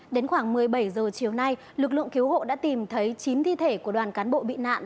đến khoảng một mươi bảy h chiều nay lực lượng cứu hộ đã tìm thấy chín thi thể của đoàn cán bộ bị nạn